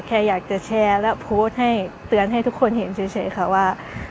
แค่อยากจะแชร์และโพสต์ให้เตือนให้ทุกคนเห็นเฉยค่ะว่า